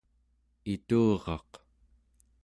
ituraq